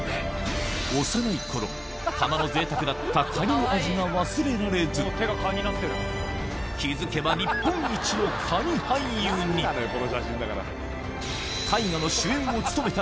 幼い頃たまの贅沢だったカニの味が忘れられず気付けば日本一のカニ俳優にとちょっとこれ。